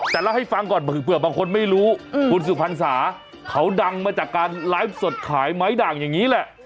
แต่เล่าให้ฟังก่อนเผื่อบางคนไม่รู้คุณสุพรรษาเขาดังมาจากการไลฟ์สดขายไม้ด่างอย่างนี้แหละ